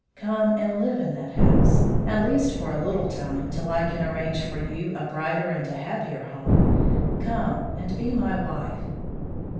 Come and live in that house at least for a little time, till I can arrange for you a brighter and a happier home come and be my wife."